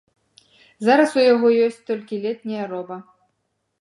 Зараз у яго ёсць толькі летняя роба.